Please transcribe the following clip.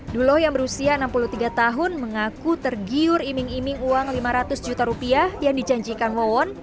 dulo yang berusia enam puluh tiga tahun mengaku tergiur iming iming uang lima ratus juta rupiah yang dijanjikan wawon